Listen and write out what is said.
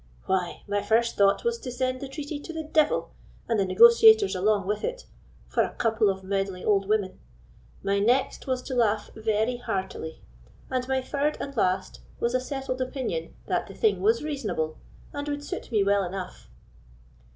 "Why, my first thought was to send the treaty to the devil, and the negotiators along with it, for a couple of meddling old women; my next was to laugh very heartily; and my third and last was a settled opinion that the thing was reasonable, and would suit me well enough."